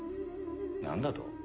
何だと？